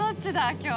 今日。